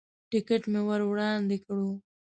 ټکټ مې ور وړاندې کړو.